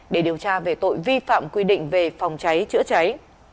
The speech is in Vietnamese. để điều tra về tội vi phạm quy định về phòng cháy chữa cháy